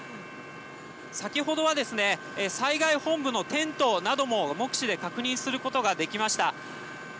先ほどは災害本部のテントなども目視で確認することができました。